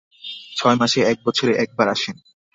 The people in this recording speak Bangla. ছয় মাসে এক বছরে একবার আসেন।